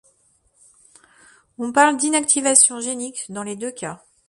On parle d'inactivation génique dans les deux cas.